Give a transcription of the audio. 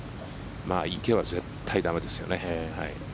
池は絶対駄目ですよね。